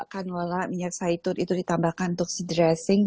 canola minyak sehitung itu ditambahkan untuk dressing